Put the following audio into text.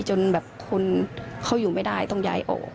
จนแบบคนเขาอยู่ไม่ได้ต้องย้ายออก